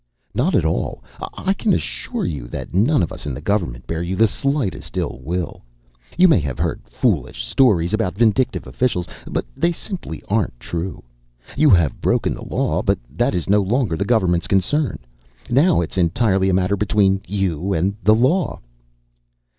"Not at all. I can assure you that none of us in the government bear you the slightest ill will. You may have heard foolish stories about vindictive officials, but they simply aren't true. You have broken the law, but that is no longer the government's concern. Now it is entirely a matter between you and the law."